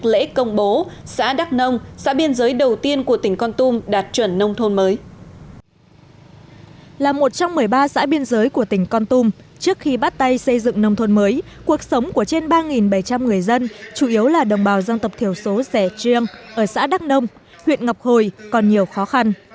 là một trong một mươi ba xã biên giới của tỉnh con tum trước khi bắt tay xây dựng nông thôn mới cuộc sống của trên ba bảy trăm linh người dân chủ yếu là đồng bào dân tộc thiểu số rẻ chiêm ở xã đắk nông huyện ngọc hồi còn nhiều khó khăn